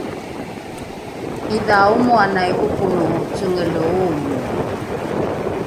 ’idha omoanai ’oponoho cengele oomoe